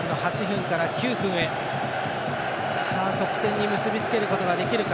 得点に結びつけることができるか。